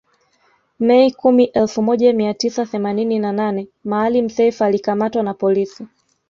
Mei kumi elfu moja mia tisa themanini na nane Maalim Self alikamatwa na polisi